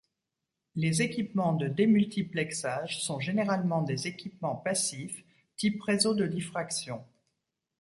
Les équipements de démultiplexage sont généralement des équipements passifs, type réseaux de diffraction.